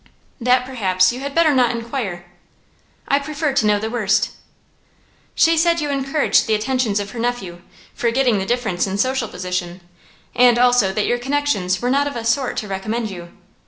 "That, perhaps, you had better not inquire." "I prefer to know the worst." "She said you encouraged the attentions of her nephew, forgetting the difference in social position, and also that your connections were not of a sort to recommend you.